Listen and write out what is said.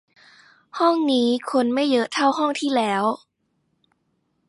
ห้องนี้คนไม่เยอะเท่าห้องที่แล้ว